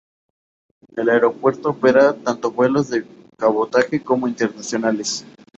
El aeropuerto opera tanto vuelos de cabotaje como internacionales.